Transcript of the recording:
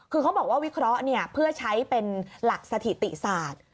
คือเขาบอกว่าวิเคราะห์เพื่อใช้เป็นหลักสถิติศาสตร์